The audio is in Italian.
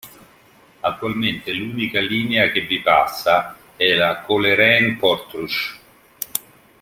Attualmente l'unica linea che vi passa è la Coleraine–Portrush.